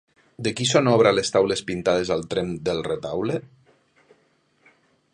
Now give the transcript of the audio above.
De qui són obra les taules pintades al tremp del retaule?